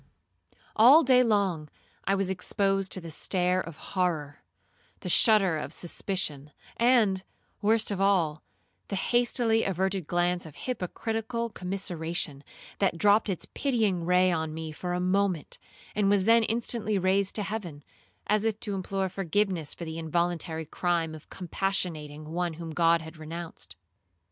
All day long I was exposed to the stare of horror, the shudder of suspicion, and, worst of all, the hastily averted glance of hypocritical commiseration, that dropt its pitying ray on me for a moment, and was then instantly raised to heaven, as if to implore forgiveness for the involuntary crime of compassionating one whom God had renounced.